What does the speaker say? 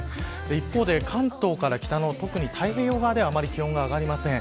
一方で関東から北の特に太平洋側ではあんまり気温が上がりません。